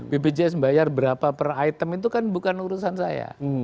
bpjs bayar berapa per item itu kan bukan urusan saya